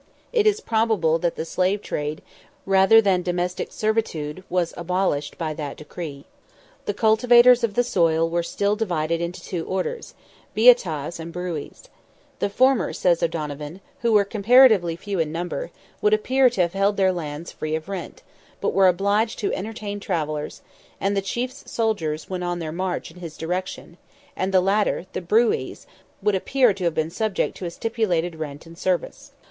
It is probable that the slave trade, rather than domestic servitude, was abolished by that decree. The cultivators of the soil were still divided into two orders—Biataghs and Brooees. "The former," says O'Donovan, "who were comparatively few in number, would appear to have held their lands free of rent, but were obliged to entertain travellers, and the chief's soldiers when on their march in his direction; and the latter (the Brooees) would appear to have been subject to a stipulated rent and service."